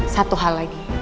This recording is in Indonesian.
satu hal lagi